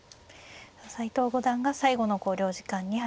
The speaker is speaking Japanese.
斎藤五段が最後の考慮時間に入りました。